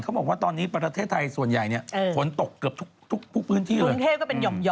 เขาบอกว่าตอนนี้ประเทศไทยส่วนใหญ่เนี่ยฝนตกทุกพื้นที่เลย